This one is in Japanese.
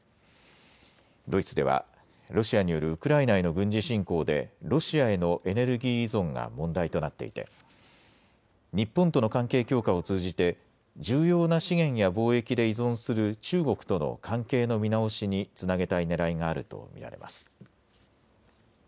ドイツではロシアによるウクライナへの軍事侵攻でロシアへのエネルギー依存が問題となっていて日本との関係強化を通じて重要な資源や貿易で依存する中国との関係の見直しにつなげたいねらいがあると見られます。